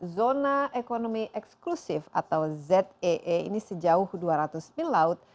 zona ekonomi eksklusif atau zee ini sejauh dua ratus mil laut